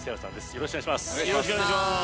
よろしくお願いします